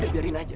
udah biarin aja